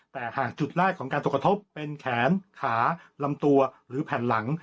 แต่หากจุดแรกของการตกกระทบเป็นแขนขาลำตัวหรือแผ่นหลัง